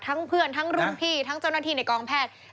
เพื่อนทั้งรุ่นพี่ทั้งเจ้าหน้าที่ในกองแพทย์